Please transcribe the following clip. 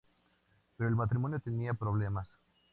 Pero el matrimonio tenía problemas.